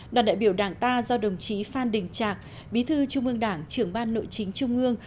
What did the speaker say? đoàn đại biểu đảng ta do đồng chí phan đình trạc bí thư trung ương đảng trưởng ban nội chính trung ương